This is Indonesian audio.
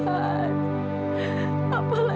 jangan sampai aku kembali